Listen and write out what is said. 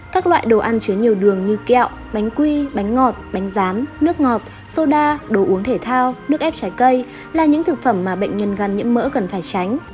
các loại đồ ăn chứa nhiều đường như kẹo bánh quy bánh ngọt bánh rán nước ngọt xô đa đồ uống thể thao nước ép trái cây là những thực phẩm mà bệnh nhân gan nhiễm mỡ cần phải tránh